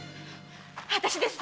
私です